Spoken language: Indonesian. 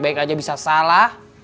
baik aja bisa salah